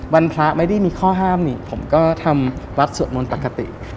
พระไม่ได้มีข้อห้ามนี่ผมก็ทำวัดสวดมนต์ปกติ